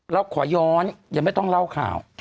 เราขอย้อนยังไม่ต้องเล่าข่าว